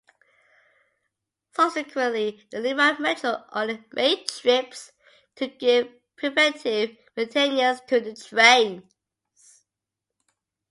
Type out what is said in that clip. Subsequently, the Lima Metro only made trips to give preventive maintenance to the trains.